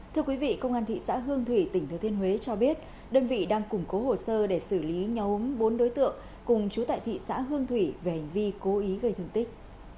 thưa quý vị công an thị xã hương thủy tỉnh thừa thiên huế cho biết đơn vị đang củng cố hồ sơ để xử lý nhóm bốn đối tượng cùng chú tại thị xã hương thủy về hành vi cố ý gây thương tích